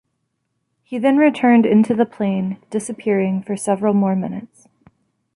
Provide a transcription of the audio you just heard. He then returned into the plane, disappearing for several more minutes.